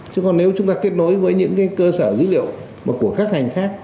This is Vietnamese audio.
chứ còn nếu chúng ta kết nối với những cơ sở dữ liệu của các ngành khác